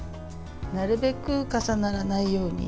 なるべく重ならないように。